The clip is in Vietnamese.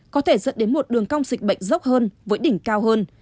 có thể dẫn đến một đường cong dịch bệnh dốc hơn với đỉnh cao hơn